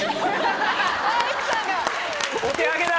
お手上げだ！